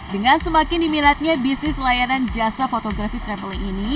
dengan semakin diminatnya bisnis layanan jasa fotografi traveling ini